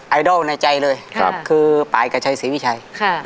ไอดอลในใจเลยคือปายกับชัยศรีวิชัย